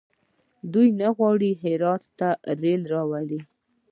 آیا دوی نه غواړي هرات ته ریل راولي؟